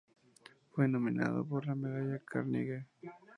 Fue nominado para la Medalla Carnegie.